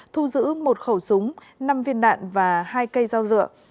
thu giữ một khẩu súng năm viên đạn và hai cây dao rượu